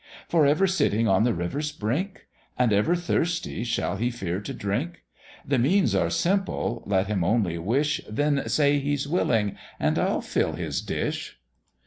For ever sitting on the river's brink? And ever thirsty, shall he fear to drink? The means are simple, let him only wish, Then say he's willing, and I'll fill his dish."